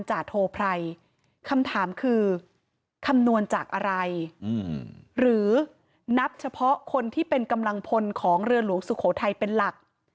จากอะไรหรือนับเฉพาะคนที่เป็นกำลังพลของเรือนหลวงสุโขทัยเป็นหลัก